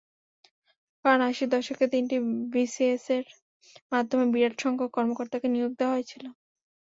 কারণ আশির দশকে তিনটি বিসিএসের মাধ্যমে বিরাটসংখ্যক কর্মকর্তাকে নিয়োগ দেওয়া হয়েছিল।